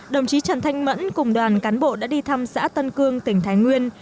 đồng chí trần thanh mẫn cùng đoàn cán bộ đã đi thăm xã tân cương tỉnh thái nguyên